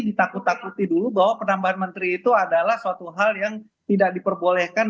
ditakut takuti dulu bahwa penambahan menteri itu adalah suatu hal yang tidak diperbolehkan